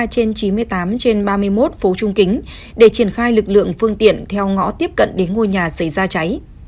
ba trên chín mươi tám trên ba mươi một phố trung kính để triển khai lực lượng phương tiện theo ngõ tiếp cận đến ngôi nhà xảy ra cháy